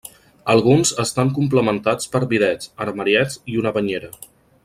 Alguns estan complementats per bidets, armariets i una banyera.